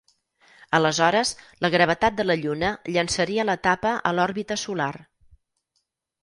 Aleshores, la gravetat de la lluna llençaria l'etapa a l'òrbita solar.